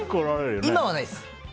今はないです。